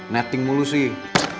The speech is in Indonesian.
netting mulu sih